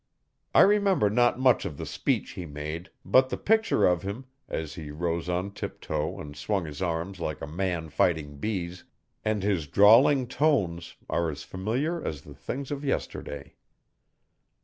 I remember not much of the speech he made, but the picture of him, as he rose on tiptoe and swung his arms like a man fighting bees, and his drawling tones are as familiar as the things of yesterday.